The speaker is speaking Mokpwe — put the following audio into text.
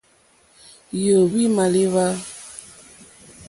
Yǒhwì màlíwá.